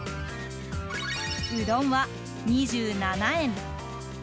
うどんは２７円。